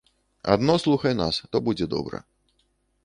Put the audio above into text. Адно слухай нас, то будзе добра.